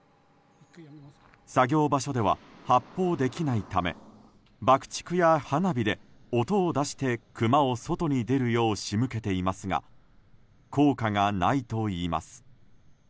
作業場所では発砲できないため爆竹や花火で音を出してクマを外に出るよう仕向けていますが効果がないといいます。